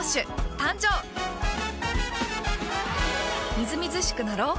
みずみずしくなろう。